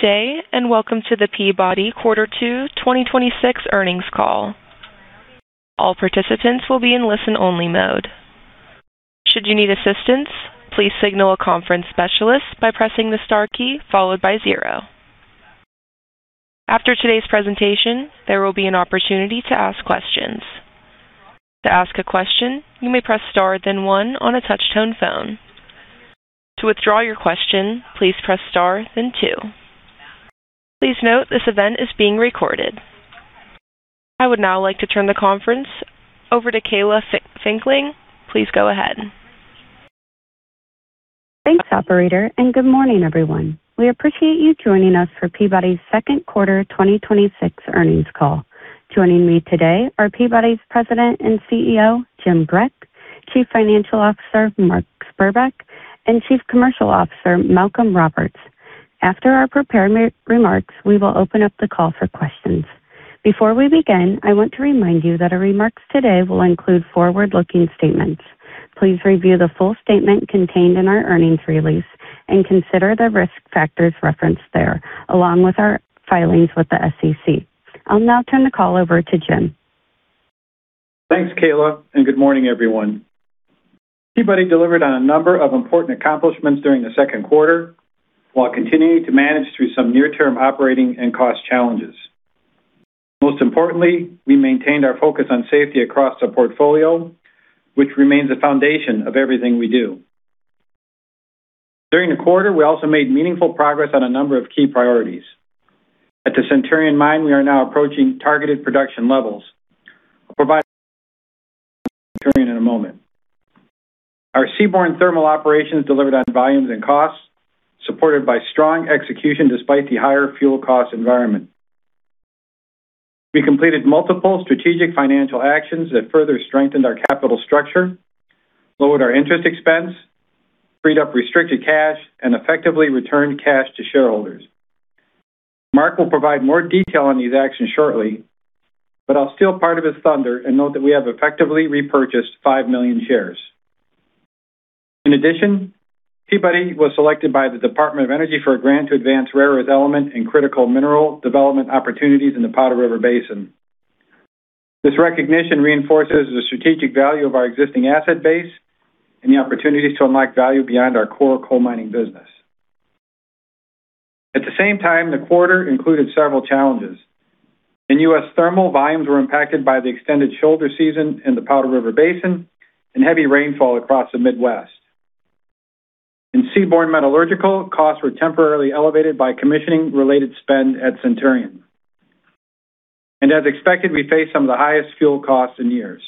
Day, and welcome to the Peabody quarter two 2026 earnings call. All participants will be in listen-only mode. Should you need assistance, please signal a conference specialist by pressing the star key followed by zero. After today's presentation, there will be an opportunity to ask questions. To ask a question, you may press star, then one on a touch-tone phone. To withdraw your question, please press star, then two. Please note this event is being recorded. I would now like to turn the conference over to Kayla Finckling. Please go ahead. Thanks, operator. Good morning, everyone. We appreciate you joining us for Peabody's second quarter 2026 earnings call. Joining me today are Peabody's President and CEO, Jim Grech, Chief Financial Officer, Mark Spurbeck, and Chief Commercial Officer, Malcolm Roberts. After our prepared remarks, we will open up the call for questions. Before we begin, I want to remind you that our remarks today will include forward-looking statements. Please review the full statement contained in our earnings release and consider the risk factors referenced there, along with our filings with the SEC. I'll now turn the call over to Jim. Thanks, Kayla. Good morning, everyone. Peabody delivered on a number of important accomplishments during the second quarter while continuing to manage through some near-term operating and cost challenges. Most importantly, we maintained our focus on safety across the portfolio, which remains the foundation of everything we do. During the quarter, we also made meaningful progress on a number of key priorities. At the Centurion Mine, we are now approaching targeted production levels. I'll provide Centurion in a moment. Our seaborne thermal operations delivered on volumes and costs, supported by strong execution despite the higher fuel cost environment. We completed multiple strategic financial actions that further strengthened our capital structure, lowered our interest expense, freed up restricted cash, and effectively returned cash to shareholders. Mark will provide more detail on these actions shortly, but I'll steal part of his thunder and note that we have effectively repurchased 5 million shares. In addition, Peabody was selected by the Department of Energy for a grant to advance rare earth elements and critical minerals development opportunities in the Powder River Basin. This recognition reinforces the strategic value of our existing asset base and the opportunities to unlock value beyond our core coal mining business. At the same time, the quarter included several challenges. In U.S. thermal, volumes were impacted by the extended shoulder season in the Powder River Basin and heavy rainfall across the Midwest. In seaborne metallurgical, costs were temporarily elevated by commissioning-related spend at Centurion. As expected, we faced some of the highest fuel costs in years.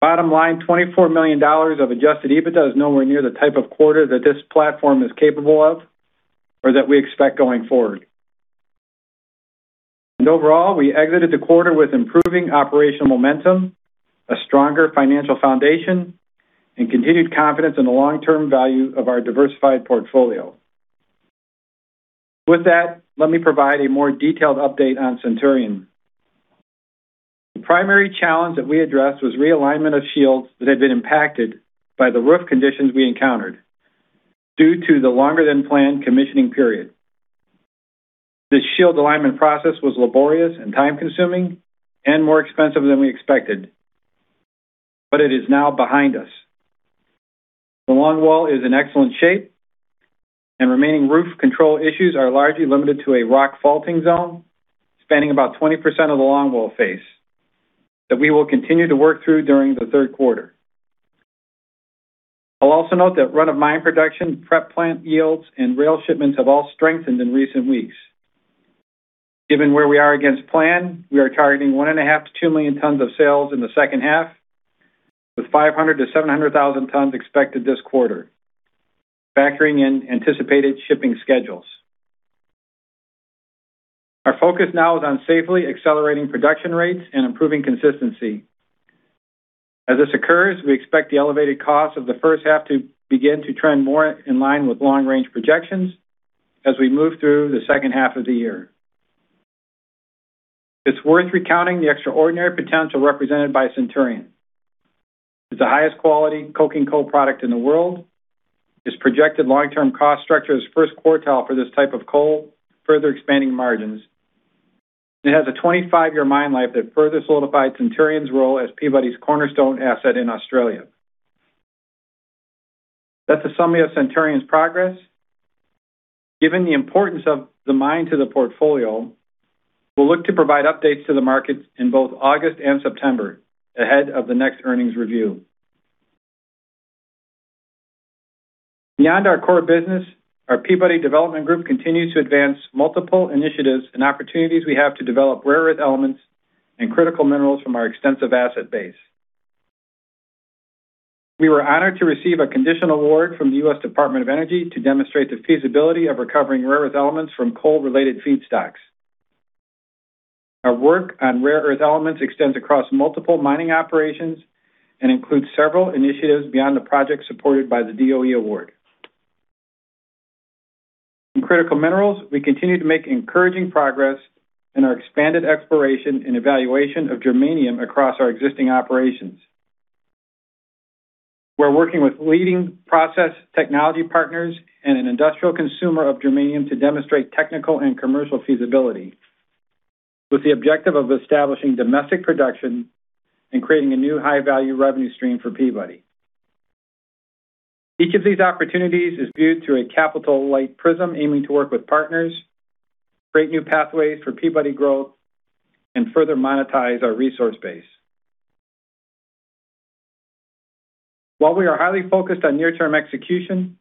Bottom line, $24 million of adjusted EBITDA is nowhere near the type of quarter that this platform is capable of or that we expect going forward. Overall, we exited the quarter with improving operational momentum, a stronger financial foundation, and continued confidence in the long-term value of our diversified portfolio. With that, let me provide a more detailed update on Centurion. The primary challenge that we addressed was realignment of shields that had been impacted by the roof conditions we encountered due to the longer than planned commissioning period. This shield alignment process was laborious and time-consuming and more expensive than we expected, but it is now behind us. The longwall is in excellent shape and remaining roof control issues are largely limited to a rock faulting zone spanning about 20% of the longwall face that we will continue to work through during the third quarter. I'll also note that run-of-mine production, prep plant yields, and rail shipments have all strengthened in recent weeks. Given where we are against plan, we are targeting 1.5 million-2 million tons of sales in the second half, with 500,000-700,000 tons expected this quarter, factoring in anticipated shipping schedules. Our focus now is on safely accelerating production rates and improving consistency. As this occurs, we expect the elevated cost of the first half to begin to trend more in line with long-range projections as we move through the second half of the year. It's worth recounting the extraordinary potential represented by Centurion. It's the highest quality coking coal product in the world. Its projected long-term cost structure is first quartile for this type of coal, further expanding margins. It has a 25-year mine life that further solidified Centurion's role as Peabody's cornerstone asset in Australia. That's the summary of Centurion's progress. Given the importance of the mine to the portfolio, we'll look to provide updates to the market in both August and September ahead of the next earnings review. Beyond our core business, our Peabody Development Group continues to advance multiple initiatives and opportunities we have to develop rare earth elements and critical minerals from our extensive asset base. We were honored to receive a conditional award from the U.S. Department of Energy to demonstrate the feasibility of recovering rare earth elements from coal-related feedstocks. Our work on rare earth elements extends across multiple mining operations and includes several initiatives beyond the project supported by the DOE award. In critical minerals, we continue to make encouraging progress in our expanded exploration and evaluation of germanium across our existing operations. We're working with leading process technology partners and an industrial consumer of germanium to demonstrate technical and commercial feasibility with the objective of establishing domestic production and creating a new high-value revenue stream for Peabody. Each of these opportunities is viewed through a capital-light prism, aiming to work with partners, create new pathways for Peabody growth, and further monetize our resource base. While we are highly focused on near-term execution,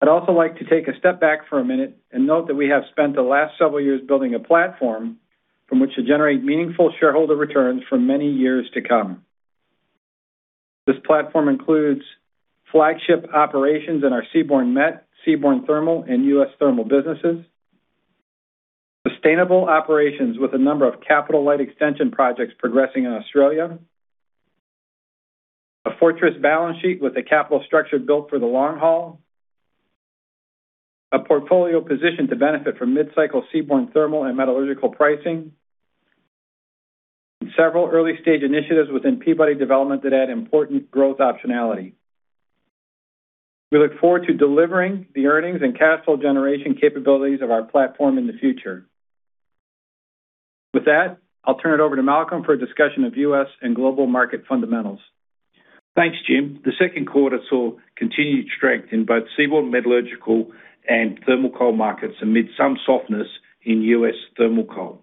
I'd also like to take a step back for a minute and note that we have spent the last several years building a platform from which to generate meaningful shareholder returns for many years to come. This platform includes flagship operations in our seaborne met, seaborne thermal, and U.S. thermal businesses. Sustainable operations with a number of capital light extension projects progressing in Australia. A fortress balance sheet with a capital structure built for the long haul. A portfolio position to benefit from mid-cycle seaborne thermal and metallurgical pricing. Several early-stage initiatives within Peabody Development that add important growth optionality. We look forward to delivering the earnings and cash flow generation capabilities of our platform in the future. With that, I'll turn it over to Malcolm for a discussion of U.S. and global market fundamentals. Thanks, Jim. The second quarter saw continued strength in both seaborne metallurgical and thermal coal markets amid some softness in U.S. thermal coal.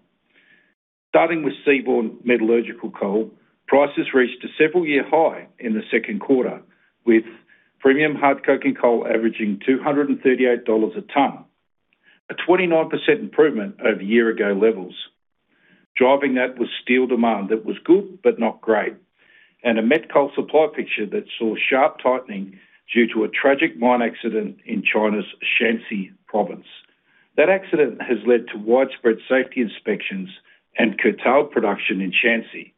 Starting with seaborne metallurgical coal, prices reached a several-year high in the second quarter, with premium hard coking coal averaging $238 a ton, a 29% improvement over year-ago levels. Driving that was steel demand that was good but not great, and a met coal supply picture that saw sharp tightening due to a tragic mine accident in China's Shanxi province. That accident has led to widespread safety inspections and curtailed production in Shanxi,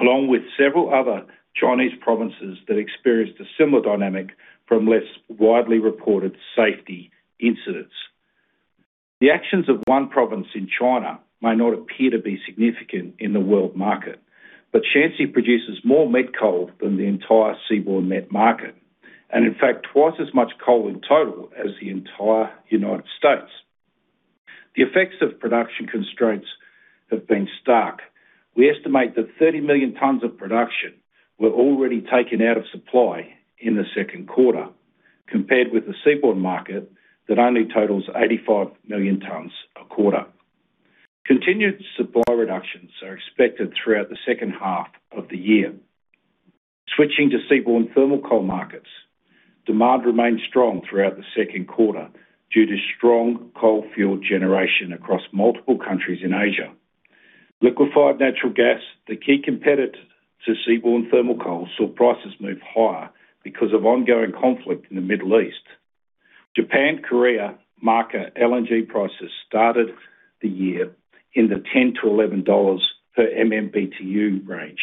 along with several other Chinese provinces that experienced a similar dynamic from less widely reported safety incidents. The actions of one province in China may not appear to be significant in the world market, but Shanxi produces more met coal than the entire seaborne met market, and in fact, twice as much coal in total as the entire United States. The effects of production constraints have been stark. We estimate that 30 million tons of production were already taken out of supply in the second quarter, compared with the seaborne market that only totals 85 million tons a quarter. Continued supply reductions are expected throughout the second half of the year. Switching to seaborne thermal coal markets, demand remained strong throughout the second quarter due to strong coal-fueled generation across multiple countries in Asia. Liquefied natural gas, the key competitor to seaborne thermal coal, saw prices move higher because of ongoing conflict in the Middle East. Japan-Korea market LNG prices started the year in the $10-$11 per MMBtu range.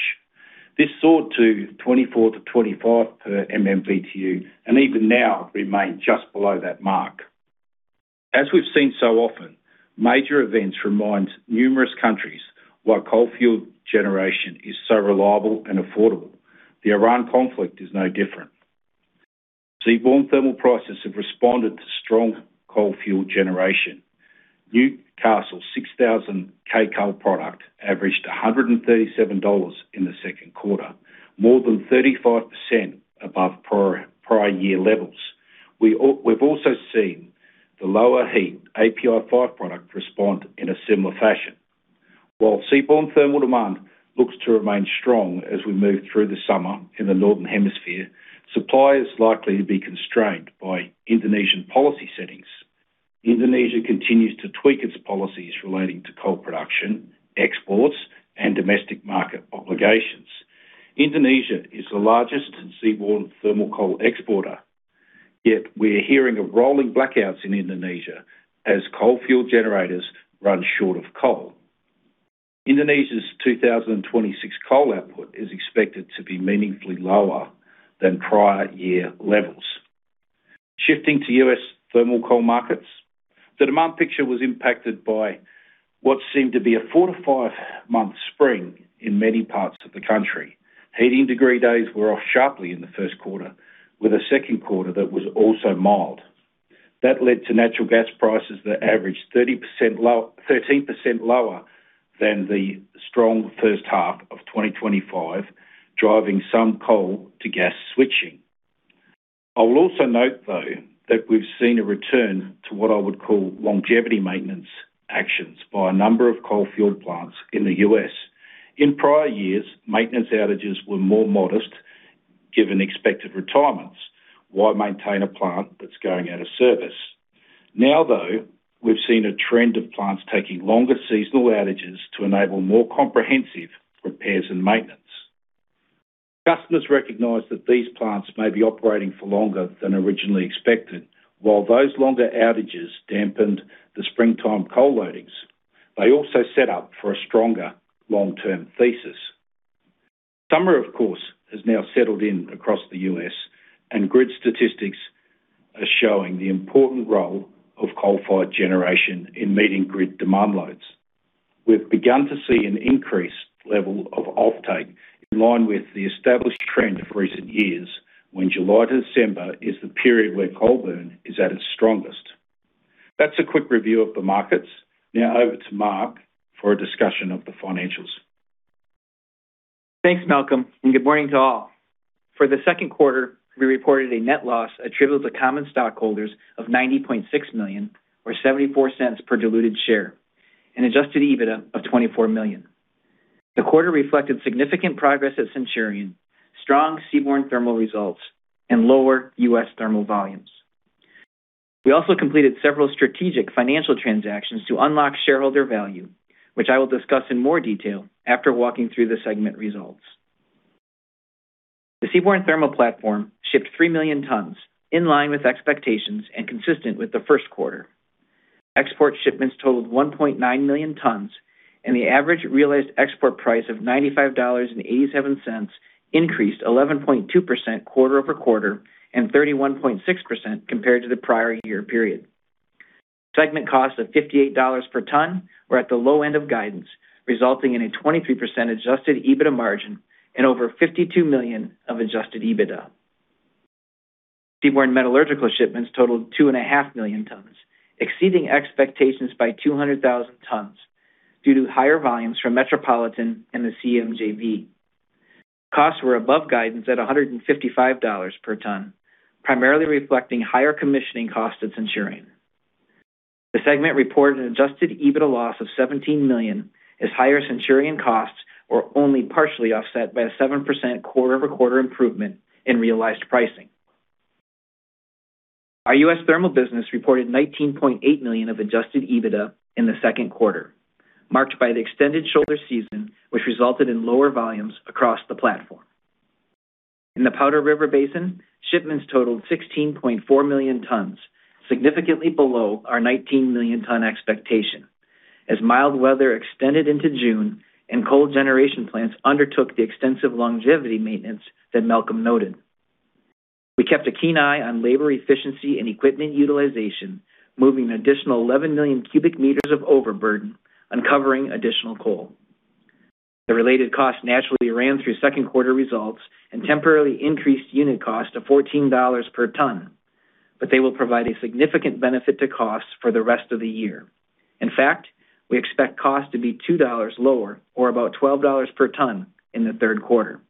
This soared to $24-$25 per MMBtu and even now remain just below that mark. As we've seen so often, major events remind numerous countries why coal-fueled generation is so reliable and affordable. The Iran conflict is no different. Seaborne thermal prices have responded to strong coal-fueled generation. Newcastle 6,000-cal product averaged $137 in the second quarter, more than 35% above prior year levels. We've also seen the lower heat API 5 product respond in a similar fashion. While seaborne thermal demand looks to remain strong as we move through the summer in the northern hemisphere, supply is likely to be constrained by Indonesian policy settings. Indonesia continues to tweak its policies relating to coal production, exports, and domestic market obligations. Indonesia is the largest seaborne thermal coal exporter. Yet we are hearing of rolling blackouts in Indonesia as coal-fueled generators run short of coal. Indonesia's 2026 coal output is expected to be meaningfully lower than prior year levels. Shifting to U.S. thermal coal markets, the demand picture was impacted by what seemed to be a four to five-month spring in many parts of the country. Heating degree days were off sharply in the first quarter, with a second quarter that was also mild. That led to natural gas prices that averaged 13% lower than the strong first half of 2025, driving some coal to gas switching. I will also note, though, that we've seen a return to what I would call longevity maintenance actions by a number of coal-fueled plants in the U.S. In prior years, maintenance outages were more modest given expected retirements. Why maintain a plant that's going out of service? Now, though, we've seen a trend of plants taking longer seasonal outages to enable more comprehensive repairs and maintenance. Customers recognize that these plants may be operating for longer than originally expected. While those longer outages dampened the springtime coal loadings, they also set up for a stronger long-term thesis. Summer, of course, has now settled in across the U.S., and grid statistics are showing the important role of coal-fired generation in meeting grid demand loads. We've begun to see an increased level of offtake in line with the established trend of recent years, when July to December is the period where coal burn is at its strongest. That's a quick review of the markets. Now over to Mark for a discussion of the financials. Thanks, Malcolm, and good morning to all. For the second quarter, we reported a net loss attributable to common stockholders of $90.6 million, or $0.74 per diluted share, an adjusted EBITDA of $24 million. The quarter reflected significant progress at Centurion, strong seaborne thermal results, and lower U.S. thermal volumes. We also completed several strategic financial transactions to unlock shareholder value, which I will discuss in more detail after walking through the segment results. The seaborne thermal platform shipped 3 million tons, in line with expectations and consistent with the first quarter. Export shipments totaled 1.9 million tons, and the average realized export price of $95.87 increased 11.2% quarter-over-quarter and 31.6% compared to the prior year period. Segment costs of $58 per ton were at the low end of guidance, resulting in a 23% adjusted EBITDA margin and over $52 million of adjusted EBITDA. Seaborne metallurgical shipments totaled 2.5 million tons, exceeding expectations by 200,000 tons due to higher volumes from Metropolitan and the CMJV. Costs were above guidance at $155 per ton, primarily reflecting higher commissioning costs at Centurion. The segment reported an adjusted EBITDA loss of $17 million as higher Centurion costs were only partially offset by a 7% quarter-over-quarter improvement in realized pricing. Our U.S. thermal business reported $19.8 million of adjusted EBITDA in the second quarter, marked by the extended shoulder season, which resulted in lower volumes across the platform. In the Powder River Basin, shipments totaled 16.4 million tons, significantly below our 19 million ton expectation as mild weather extended into June and coal generation plants undertook the extensive longevity maintenance that Malcolm noted. We kept a keen eye on labor efficiency and equipment utilization, moving an additional 11 million cubic meters of overburden, uncovering additional coal. The related cost naturally ran through second quarter results and temporarily increased unit cost to $14 per ton, but they will provide a significant benefit to costs for the rest of the year. In fact, we expect cost to be $2 lower, or about $12 per ton, in the third quarter.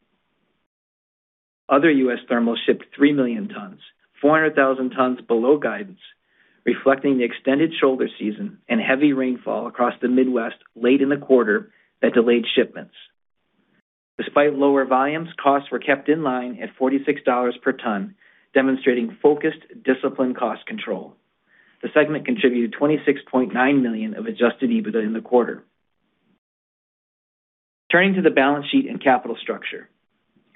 Other U.S. thermal shipped 3 million tons, 400,000 tons below guidance, reflecting the extended shoulder season and heavy rainfall across the Midwest late in the quarter that delayed shipments. Despite lower volumes, costs were kept in line at $46 per ton, demonstrating focused, disciplined cost control. The segment contributed $26.9 million of adjusted EBITDA in the quarter. Turning to the balance sheet and capital structure.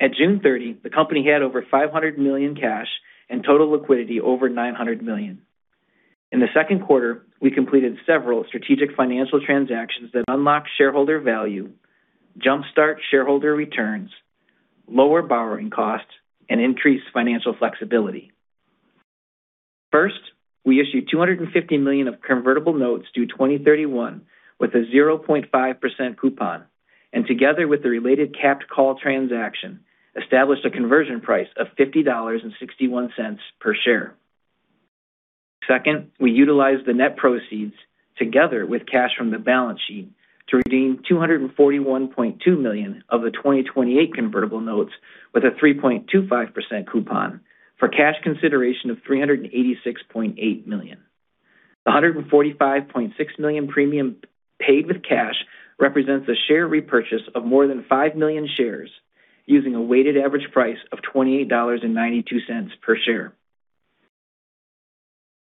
At June 30, the company had over $500 million cash and total liquidity over $900 million. In the second quarter, we completed several strategic financial transactions that unlock shareholder value, jumpstart shareholder returns, lower borrowing costs, and increase financial flexibility. First, we issued $250 million of convertible notes due 2031 with a 0.5% coupon, and together with the related capped call transaction, established a conversion price of $50.61 per share. Second, we utilized the net proceeds together with cash from the balance sheet to redeem $241.2 million of the 2028 convertible notes with a 3.25% coupon for cash consideration of $386.8 million. The $145.6 million premium paid with cash represents a share repurchase of more than 5 million shares using a weighted average price of $28.92 per share.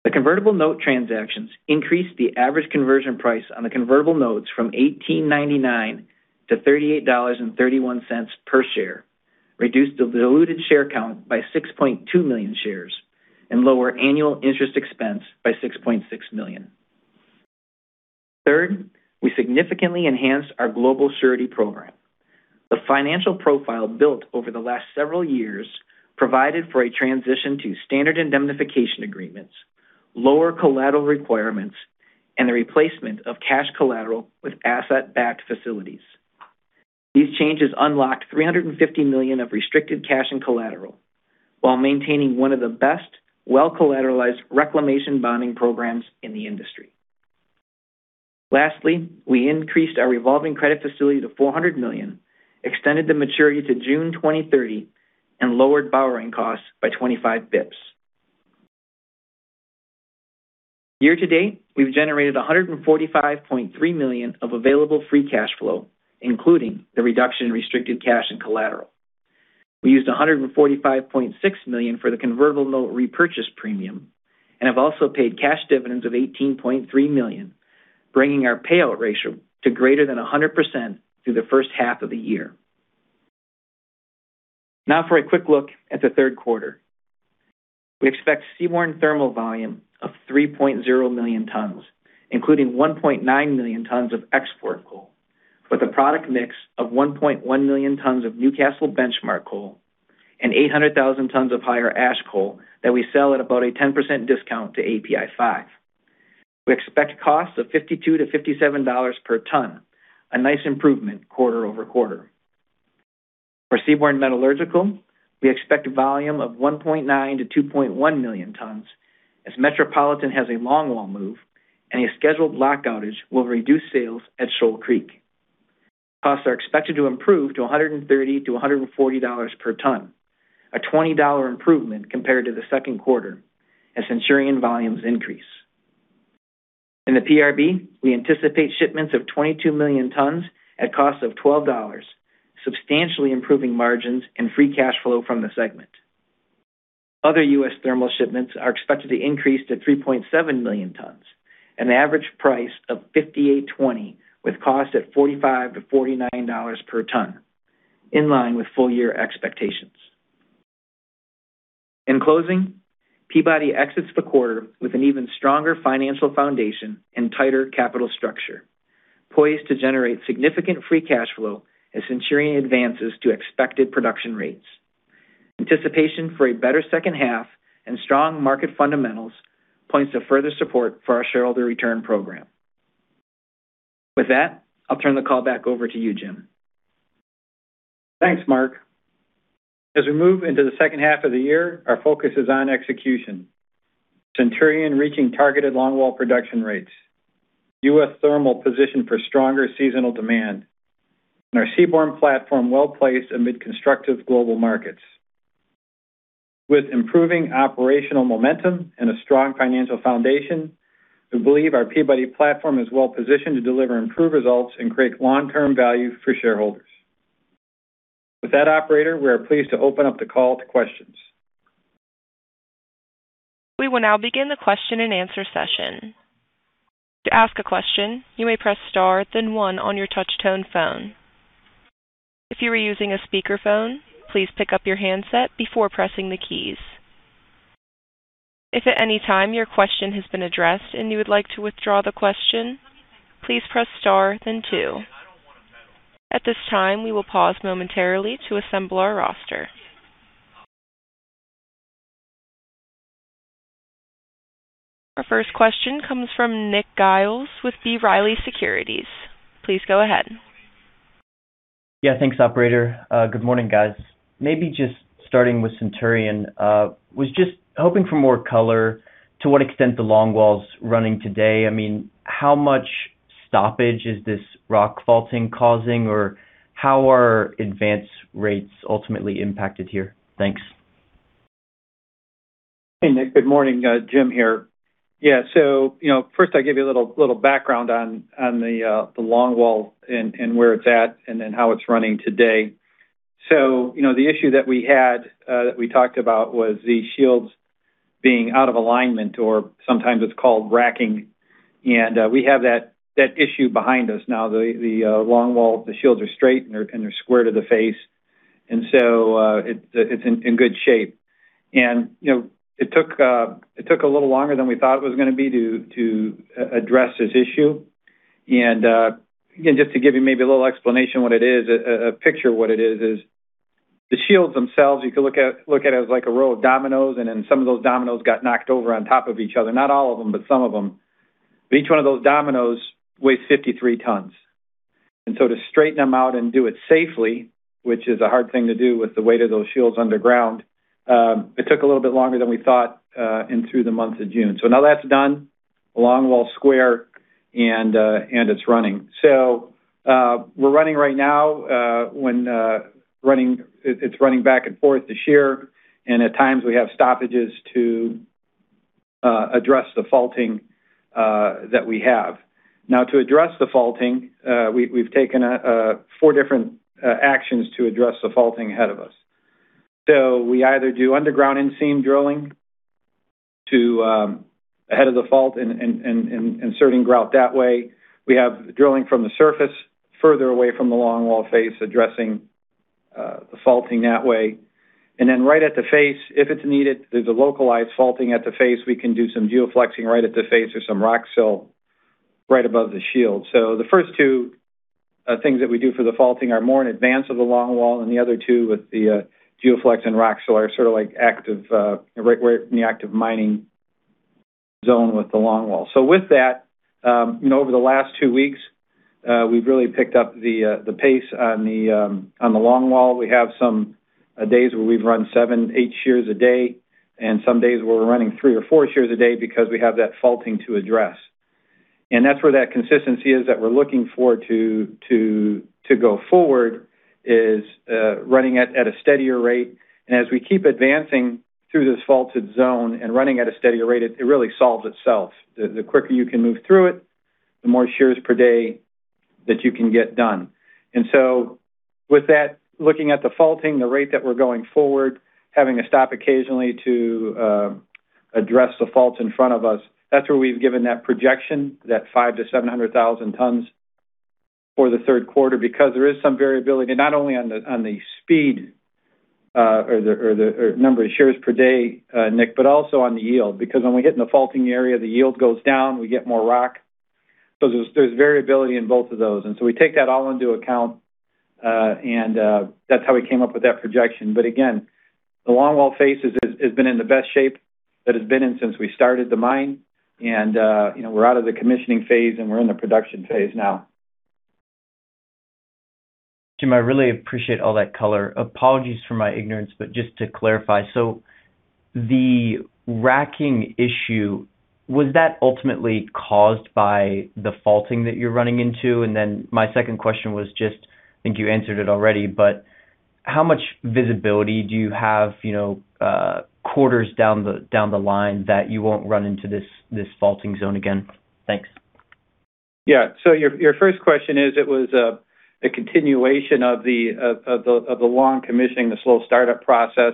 The convertible note transactions increased the average conversion price on the convertible notes from $18.99 to $38.31 per share, reduced the diluted share count by 6.2 million shares, and lower annual interest expense by $6.6 million. Third, we significantly enhanced our global surety program. The financial profile built over the last several years provided for a transition to standard indemnification agreements, lower collateral requirements, and the replacement of cash collateral with asset-backed facilities. These changes unlocked $350 million of restricted cash and collateral while maintaining one of the best well-collateralized reclamation bonding programs in the industry. Lastly, we increased our revolving credit facility to $400 million, extended the maturity to June 2030, and lowered borrowing costs by 25 basis points. Year to date, we've generated $145.3 million of available free cash flow, including the reduction in restricted cash and collateral. We used $145.6 million for the convertible note repurchase premium and have also paid cash dividends of $18.3 million, bringing our payout ratio to greater than 100% through the first half of the year. Now for a quick look at the third quarter. We expect seaborne thermal volume of 3.0 million tons, including 1.9 million tons of export coal with a product mix of 1.1 million tons of Newcastle Benchmark coal and 800,000 tons of higher ash coal that we sell at about a 10% discount to API 5. We expect costs of $52-$57 per ton, a nice improvement quarter-over-quarter. For seaborne metallurgical, we expect volume of 1.9 million-2.1 million tons, as Metropolitan has a longwall move and a scheduled longwall outage will reduce sales at Shoal Creek. Costs are expected to improve to $130-$140 per ton, a $20 improvement compared to the second quarter as Centurion volumes increase. In the PRB, we anticipate shipments of 22 million tons at costs of $12, substantially improving margins and free cash flow from the segment. Other U.S. thermal shipments are expected to increase to 3.7 million tons, an average price of $58.20 with costs at $45-$49 per ton, in line with full year expectations. In closing, Peabody exits the quarter with an even stronger financial foundation and tighter capital structure, poised to generate significant free cash flow as Centurion advances to expected production rates. Anticipation for a better second half and strong market fundamentals points to further support for our shareholder return program. With that, I'll turn the call back over to you, Jim. Thanks, Mark. As we move into the second half of the year, our focus is on execution. Centurion reaching targeted longwall production rates. U.S. thermal positioned for stronger seasonal demand. Our seaborne platform well-placed amid constructive global markets. With improving operational momentum and a strong financial foundation, we believe our Peabody platform is well-positioned to deliver improved results and create long-term value for shareholders. With that operator, we are pleased to open up the call to questions. We will now begin the question-and-answer session. To ask a question, you may press star then one on your touch-tone phone. If you are using a speakerphone, please pick up your handset before pressing the keys. If at any time your question has been addressed and you would like to withdraw the question, please press star then two. At this time, we will pause momentarily to assemble our roster. Our first question comes from Nick Giles with B. Riley Securities. Please go ahead. Yeah, thanks, operator. Good morning, guys. Maybe just starting with Centurion. Was just hoping for more color to what extent the longwall's running today. How much stoppage is this rock faulting causing or how are advance rates ultimately impacted here? Thanks. Hey, Nick. Good morning. Jim here. Yeah. First I'll give you a little background on the longwall and where it's at and then how it's running today. The issue that we had, that we talked about was the shields being out of alignment or sometimes it's called racking. We have that issue behind us now. The longwall, the shields are straight, and they're square to the face. It's in good shape. It took a little longer than we thought it was going to be to address this issue. Again, just to give you maybe a little explanation what it is, a picture of what it is. The shields themselves, you could look at it as like a row of dominoes, and then some of those dominoes got knocked over on top of each other. Not all of them, but some of them. Each one of those dominoes weighs 53 tons. To straighten them out and do it safely, which is a hard thing to do with the weight of those shields underground, it took a little bit longer than we thought in through the month of June. Now that's done, the longwall's square and it's running. We're running right now. It's running back and forth the shear, and at times we have stoppages to address the faulting that we have. Now to address the faulting, we've taken four different actions to address the faulting ahead of us. We either do underground in seam drilling ahead of the fault and inserting grout that way. We have drilling from the surface further away from the longwall face addressing the faulting that way. Then right at the face, if it's needed, there's a localized faulting at the face. We can do some geo-flexing right at the face or some rock sill right above the shield. The first two things that we do for the faulting are more in advance of the longwall. The other two with the geo-flex and rock sill are sort of like right where in the active mining zone with the longwall. With that, over the last two weeks we've really picked up the pace on the longwall. We have some days where we've run seven, eight shears a day, and some days where we're running three or four shears a day because we have that faulting to address. That's where that consistency is that we're looking forward to go forward is running at a steadier rate. As we keep advancing through this faulted zone and running at a steadier rate, it really solves itself. The quicker you can move through it, the more shears per day that you can get done. With that, looking at the faulting, the rate that we're going forward, having to stop occasionally to address the faults in front of us, that's where we've given that projection, that 500,000-700,000 tons for the third quarter because there is some variability not only on the speed or the number of shears per day, Nick, but also on the yield. When we hit in the faulting area, the yield goes down, we get more rock. There's variability in both of those. We take that all into account, and that's how we came up with that projection. Again, the longwall face has been in the best shape that it's been in since we started the mine. We're out of the commissioning phase, and we're in the production phase now. Jim, I really appreciate all that color. Apologies for my ignorance, just to clarify, the racking issue, was that ultimately caused by the faulting that you're running into? My second question was just, I think you answered it already, but how much visibility do you have quarters down the line that you won't run into this faulting zone again? Thanks. Yeah. Your first question is, it was a continuation of the long commissioning, the slow start-up process.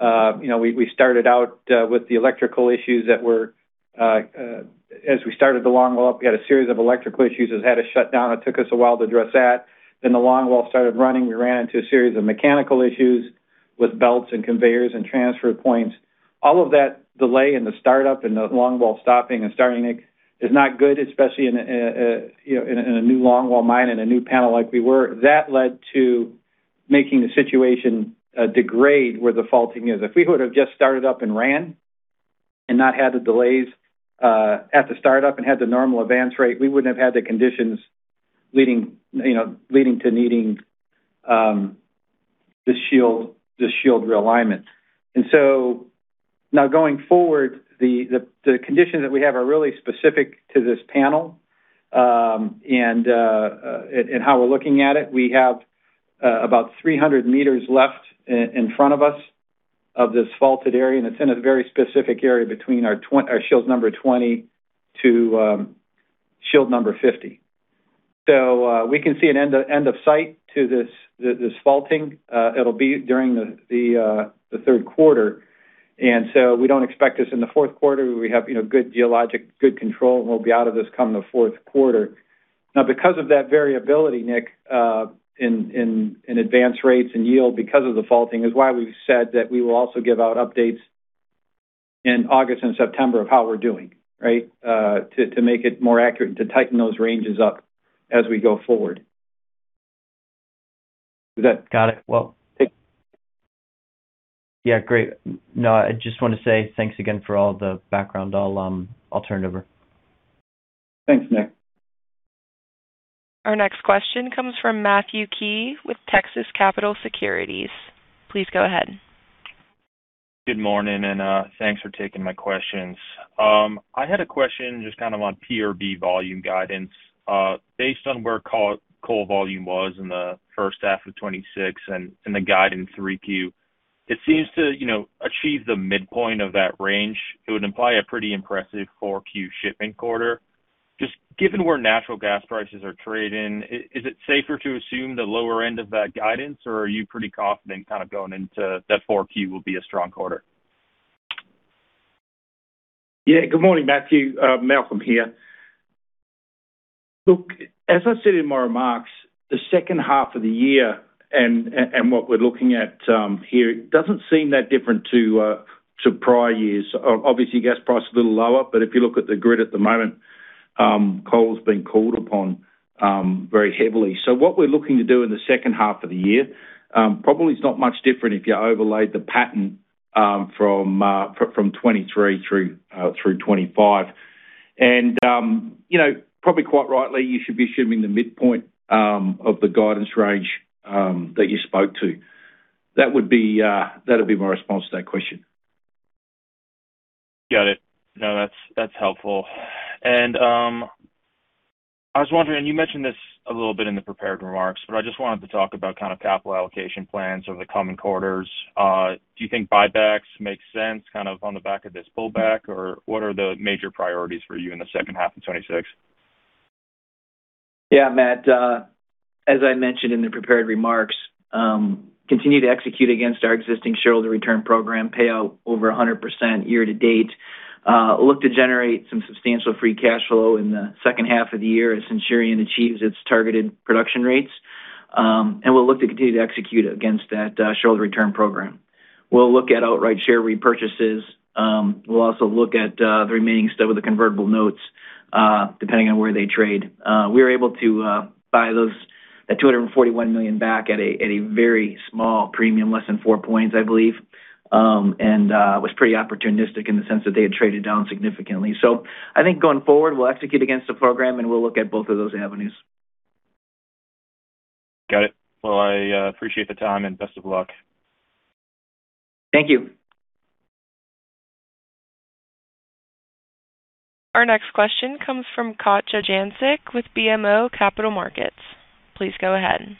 We started out with the electrical issues that were, as we started the longwall up, we had a series of electrical issues that had a shutdown. It took us a while to address that. The longwall started running. We ran into a series of mechanical issues with belts and conveyors and transfer points. All of that delay in the start-up and the longwall stopping and starting, Nick, is not good, especially in a new longwall mine and a new panel like we were. That led to making the situation degrade where the faulting is. If we would've just started up and ran and not had the delays at the start-up and had the normal advance rate, we wouldn't have had the conditions leading to needing the shield realignment. Now going forward, the conditions that we have are really specific to this panel, and how we're looking at it. We have about 300 m left in front of us of this faulted area, and it's in a very specific area between our shields number 20 to shield number 50. We can see an end of sight to this faulting. It'll be during the third quarter. We don't expect this in the fourth quarter. We have good geologic, good control, and we'll be out of this come the fourth quarter. Now, because of that variability, Nick, in advance rates and yield because of the faulting is why we've said that we will also give out updates in August and September of how we're doing, right? To make it more accurate and to tighten those ranges up as we go forward. Got it. Thank you. Yeah, great. No, I just want to say thanks again for all the background. I'll turn it over. Thanks, Nick. Our next question comes from Matthew Key with Texas Capital Securities. Please go ahead. Good morning, and thanks for taking my questions. I had a question just on PRB volume guidance. Based on where coal volume was in the first half of 2026 and the guidance 3Q, it seems to achieve the midpoint of that range, it would imply a pretty impressive 4Q shipment quarter. Just given where natural gas prices are trading, is it safer to assume the lower end of that guidance, or are you pretty confident going into that 4Q will be a strong quarter? Good morning, Matthew. Malcolm here. Look, as I said in my remarks, the second half of the year and what we're looking at here doesn't seem that different to prior years. Obviously, gas price is a little lower, but if you look at the grid at the moment, coal's being called upon very heavily. What we're looking to do in the second half of the year, probably is not much different if you overlaid the pattern from 2023 through 2025. Probably quite rightly, you should be assuming the midpoint of the guidance range that you spoke to. That'll be my response to that question. Got it. No, that's helpful. I was wondering, you mentioned this a little bit in the prepared remarks, but I just wanted to talk about capital allocation plans over the coming quarters. Do you think buybacks make sense on the back of this pullback, or what are the major priorities for you in the second half of 2026? Matt, as I mentioned in the prepared remarks, continue to execute against our existing shareholder return program payout over 100% year to date, look to generate some substantial free cash flow in the second half of the year as Centurion achieves its targeted production rates. We'll look to continue to execute against that shareholder return program. We'll look at outright share repurchases. We'll also look at the remaining stub of the convertible notes, depending on where they trade. We were able to buy those at $241 million back at a very small premium, less than 4 points, I believe. Was pretty opportunistic in the sense that they had traded down significantly. I think going forward, we'll execute against the program and we'll look at both of those avenues. Got it. I appreciate the time and best of luck. Thank you. Our next question comes from Katja Jancic with BMO Capital Markets. Please go ahead.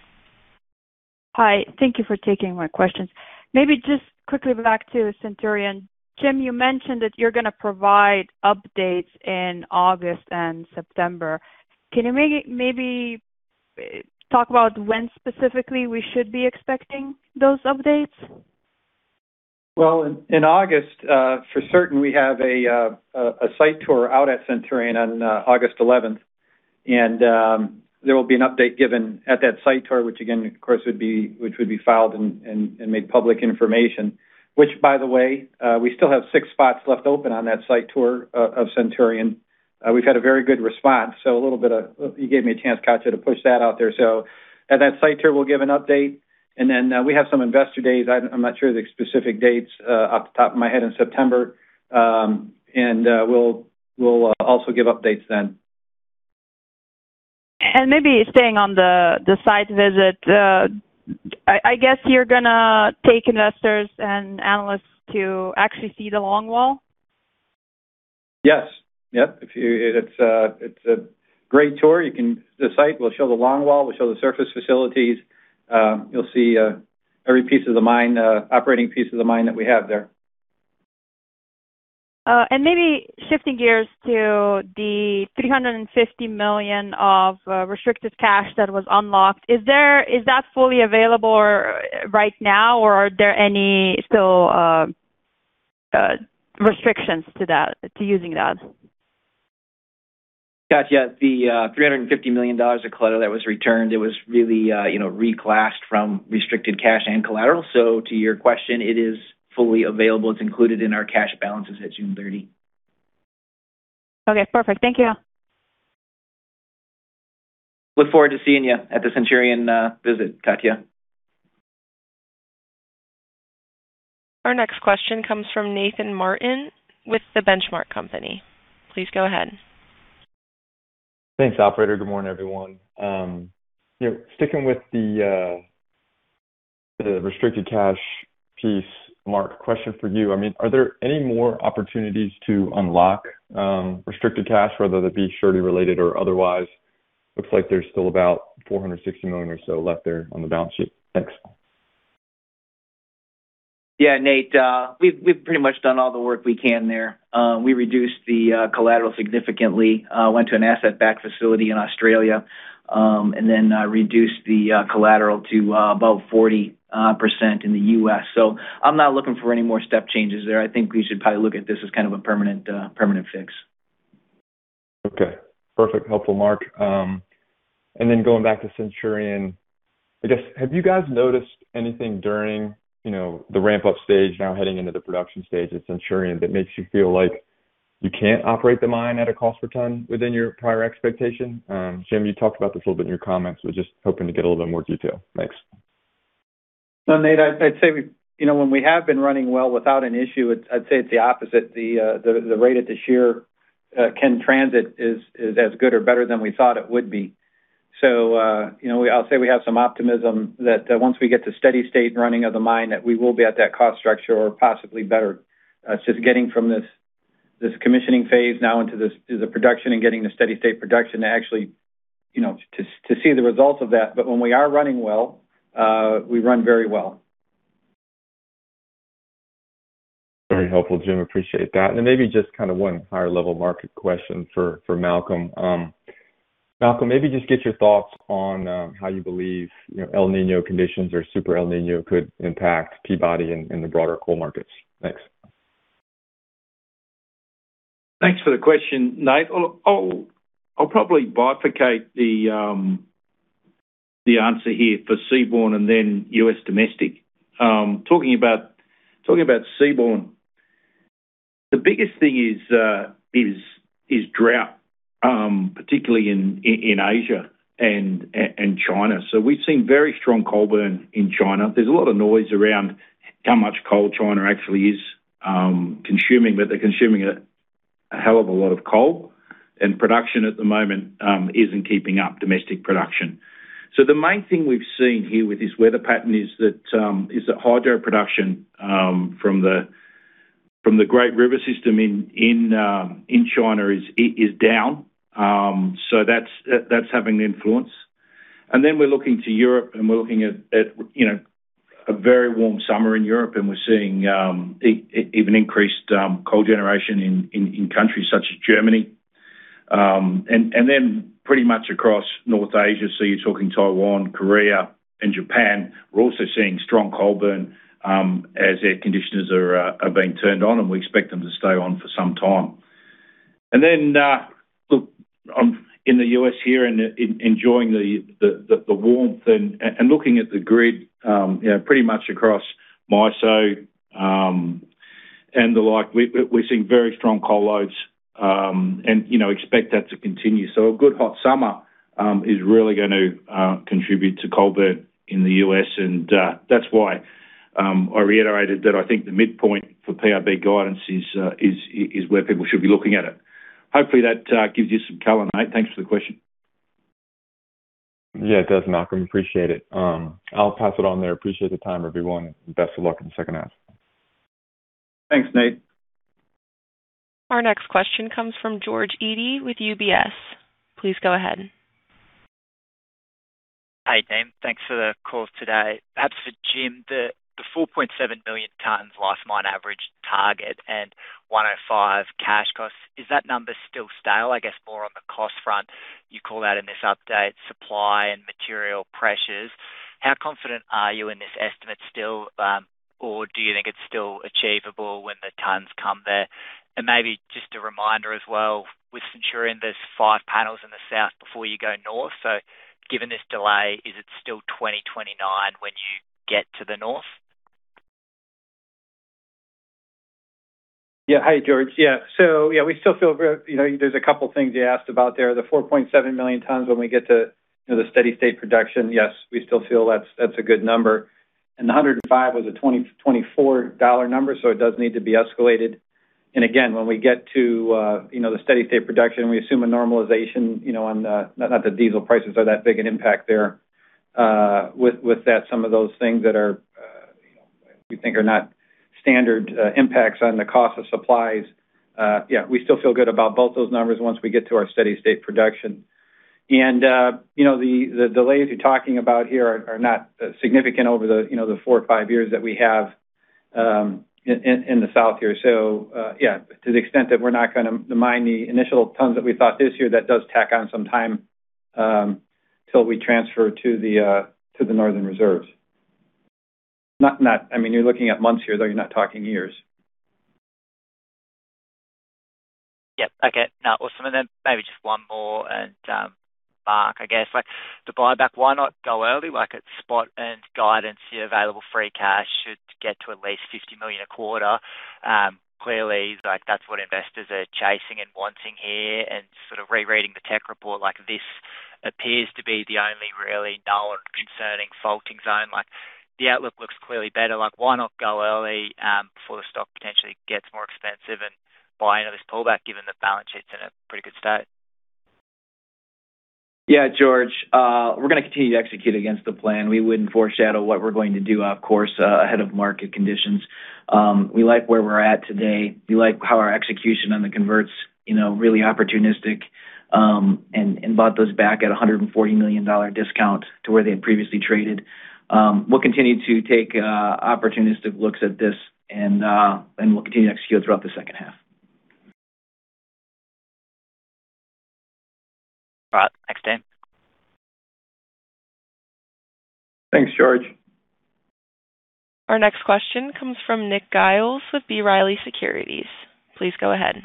Hi. Thank you for taking my questions. Maybe just quickly back to Centurion. Jim, you mentioned that you're going to provide updates in August and September. Can you maybe talk about when specifically we should be expecting those updates? In August, for certain, we have a site tour out at Centurion on August 11th, and there will be an update given at that site tour, which again, of course, would be filed and made public information. By the way, we still have six spots left open on that site tour of Centurion. We've had a very good response, a little bit of, you gave me a chance, Katja, to push that out there. At that site tour we'll give an update, then we have some investor days, I'm not sure the specific dates off the top of my head, in September. We'll also give updates then. Maybe staying on the site visit, I guess you're going to take investors and analysts to actually see the longwall? Yes. Yep. It's a great tour. The site, we'll show the longwall, we'll show the surface facilities. You'll see every piece of the mine, operating piece of the mine that we have there. Maybe shifting gears to the $350 million of restricted cash that was unlocked. Is that fully available right now or are there any still restrictions to using that? Katja, the $350 million of collateral that was returned, it was really reclassed from restricted cash and collateral. To your question, it is fully available. It's included in our cash balances at June 30. Okay, perfect. Thank you. Look forward to seeing you at the Centurion visit, Katja. Our next question comes from Nathan Martin with The Benchmark Company. Please go ahead. Thanks, operator. Good morning, everyone. Sticking with the restricted cash piece, Mark, question for you. Are there any more opportunities to unlock restricted cash, whether that be surety-related or otherwise? Looks like there's still about $460 million or so left there on the balance sheet. Thanks. Yeah, Nate. We've pretty much done all the work we can there. We reduced the collateral significantly, went to an asset-backed facility in Australia, and then reduced the collateral to about 40% in the U.S. I'm not looking for any more step changes there. I think we should probably look at this as kind of a permanent fix. Okay, perfect. Helpful, Mark. Going back to Centurion, I guess, have you guys noticed anything during the ramp-up stage now heading into the production stage at Centurion that makes you feel like you can't operate the mine at a cost per ton within your prior expectation? Jim, you talked about this a little bit in your comments. I was just hoping to get a little bit more detail. Thanks. No, Nate, I'd say when we have been running well without an issue, I'd say it's the opposite. The rate at which here can transit is as good or better than we thought it would be. I'll say we have some optimism that once we get to steady state and running of the mine, that we will be at that cost structure or possibly better. It's just getting from this commissioning phase now into the production and getting to steady state production to actually see the results of that. When we are running well, we run very well. Very helpful, Jim. Appreciate that. Maybe just one higher-level market question for Malcolm. Malcolm, maybe just get your thoughts on how you believe El Niño conditions or Super El Niño could impact Peabody and the broader coal markets. Thanks. Thanks for the question, Nate. I'll probably bifurcate the answer here for seaborne and then U.S. domestic. Talking about seaborne, the biggest thing is drought, particularly in Asia and China. We've seen very strong coal burn in China. There's a lot of noise around how much coal China actually is consuming, but they're consuming a hell of a lot of coal, and production at the moment isn't keeping up domestic production. The main thing we've seen here with this weather pattern is that hydro production from the Great River system in China is down. That's having an influence. We're looking to Europe and we're looking at a very warm summer in Europe and we're seeing even increased coal generation in countries such as Germany. Pretty much across North Asia, you're talking Taiwan, Korea, and Japan. We're also seeing strong coal burn as air conditioners are being turned on, and we expect them to stay on for some time. Look, I'm in the U.S. here and enjoying the warmth and looking at the grid pretty much across MISO and the like. We're seeing very strong coal loads, and expect that to continue. A good hot summer is really going to contribute to coal burn in the U.S., and that's why I reiterated that I think the midpoint for PRB guidance is where people should be looking at it. Hopefully, that gives you some color, Nate. Thanks for the question. Yeah, it does, Malcolm. Appreciate it. I'll pass it on there. Appreciate the time, everyone. Best of luck in the second half. Thanks, Nate. Our next question comes from George Eadie with UBS. Please go ahead. Hi, team. Thanks for the call today. Perhaps for Jim, the 4.7 million tons life mine average target and $105 cash costs. Is that number still stale? I guess more on the cost front. You call out in this update supply and material pressures. How confident are you in this estimate still, or do you think it is still achievable when the tons come there? Maybe just a reminder as well, with Centurion, there are five panels in the south before you go north. Given this delay, is it still 2029 when you get to the north? Yeah. Hi, George. Yeah. There are a couple things you asked about there. The 4.7 million tons when we get to the steady state production, yes, we still feel that is a good number. The $105 was a 2024 dollar number, so it does need to be escalated. Again, when we get to the steady state production, we assume a normalization on the, not that diesel prices are that big an impact there. With that, some of those things that we think are not standard impacts on the cost of supplies. Yeah, we still feel good about both those numbers once we get to our steady state production. The delays you are talking about here are not significant over the four or five years that we have in the south here. To the extent that we're not going to mine the initial tons that we thought this year, that does tack on some time, until we transfer to the northern reserves. I mean, you're looking at months here, though. You're not talking years. Yep. Okay. No. Awesome. Then maybe just one more. Mark, I guess, the buyback, why not go early? Like at spot and guidance, your available free cash should get to at least $50 million a quarter. Clearly, that's what investors are chasing and wanting here and sort of rereading the tech report. This appears to be the only really known concerning faulting zone. The outlook looks clearly better. Why not go early, before the stock potentially gets more expensive and buy into this pullback given the balance sheet's in a pretty good state? George, we're going to continue to execute against the plan. We wouldn't foreshadow what we're going to do, of course, ahead of market conditions. We like where we're at today. We like how our execution on the converts, really opportunistic, and bought those back at a $140 million discount to where they had previously traded. We'll continue to take opportunistic looks at this and we'll continue to execute throughout the second half. All right. Thanks. Thanks, George. Our next question comes from Nick Giles with B. Riley Securities. Please go ahead.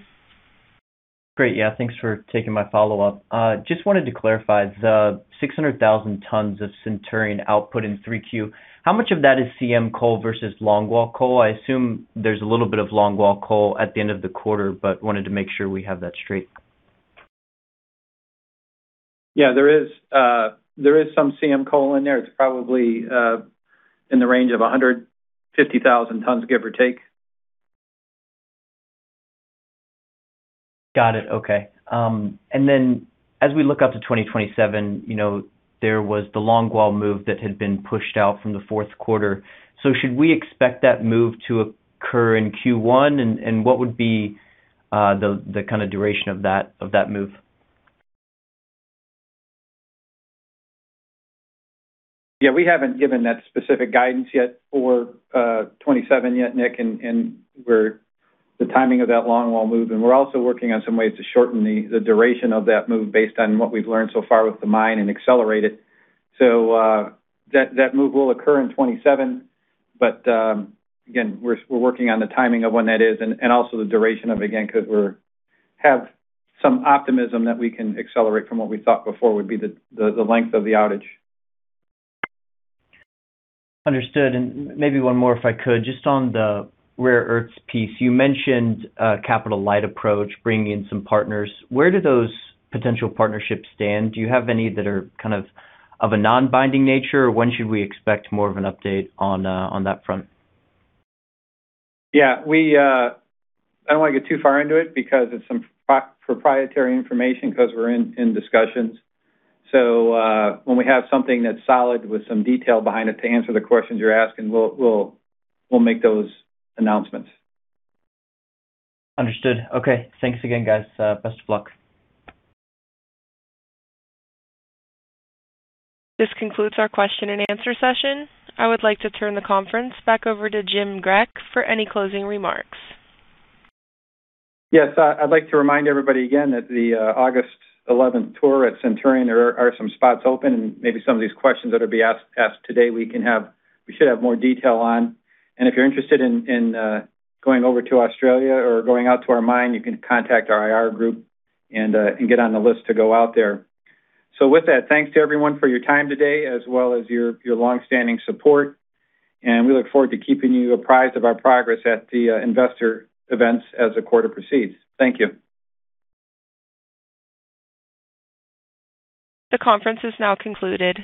Great. Yeah. Thanks for taking my follow-up. Just wanted to clarify the 600,000 tons of Centurion output in 3Q. How much of that is CM coal versus longwall coal? I assume there's a little bit of longwall coal at the end of the quarter, but wanted to make sure we have that straight. Yeah, there is some CM coal in there. It's probably in the range of 150,000 tons, give or take. Got it. Okay. As we look up to 2027, there was the longwall move that had been pushed out from the fourth quarter. Should we expect that move to occur in Q1? What would be the kind of duration of that move? Yeah, we haven't given that specific guidance yet for 2027 yet, Nick, and the timing of that longwall move. We're also working on some ways to shorten the duration of that move based on what we've learned so far with the mine and accelerate it. That move will occur in 2027. Again, we're working on the timing of when that is and also the duration of it, again, because we have some optimism that we can accelerate from what we thought before would be the length of the outage. Understood. Maybe one more, if I could, just on the rare earths piece. You mentioned a capital-light approach, bringing in some partners. Where do those potential partnerships stand? Do you have any that are kind of a non-binding nature? When should we expect more of an update on that front? Yeah. I don't want to get too far into it because it's some proprietary information because we're in discussions. When we have something that's solid with some detail behind it to answer the questions you're asking, we'll make those announcements. Understood. Okay. Thanks again, guys. Best of luck. This concludes our question-and-answer session. I would like to turn the conference back over to Jim Grech for any closing remarks. Yes. I'd like to remind everybody again that the August 11th tour at Centurion, there are some spots open, and maybe some of these questions that'll be asked today we should have more detail on. If you're interested in going over to Australia or going out to our mine, you can contact our IR group and get on the list to go out there. With that, thanks to everyone for your time today as well as your longstanding support. We look forward to keeping you apprised of our progress at the investor events as the quarter proceeds. Thank you. The conference is now concluded.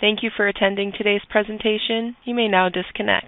Thank you for attending today's presentation. You may now disconnect.